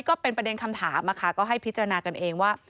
ก็เป็นประเด็นคำถามก็ให้พิจารณากันเองว่า